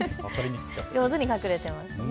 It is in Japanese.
上手に隠れていますね。